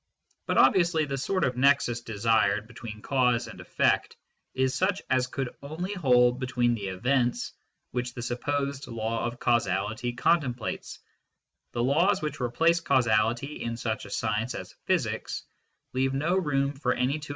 But obviously the sort of nexus desired between cause and effect is such as could only hold between the " events " which the supposed law of causality contemplates ; the laws which replace causality in such a science as physics leave no room for any two.